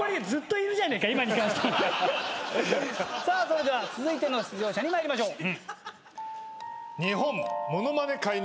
それでは続いての出場者に参りましょう。